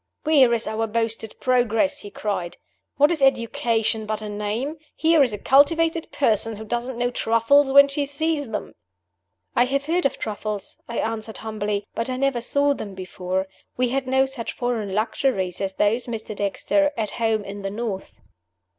"Where is our boasted progress?" he cried. "What is education but a name? Here is a cultivated person who doesn't know Truffles when she sees them!" "I have heard of truffles," I answered, humbly, "but I never saw them before. We had no such foreign luxuries as those, Mr. Dexter, at home in the North."